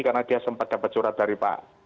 karena dia sempat dapat surat dari pak